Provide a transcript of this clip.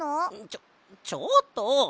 ちょちょっと！